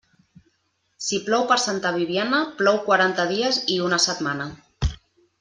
Si plou per Santa Bibiana, plou quaranta dies i una setmana.